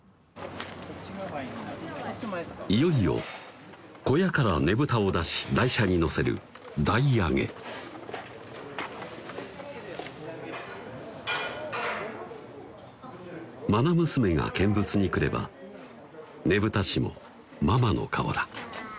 いよいよ小屋からねぶたを出し台車に乗せる台上げまな娘が見物に来ればねぶた師もママの顔だ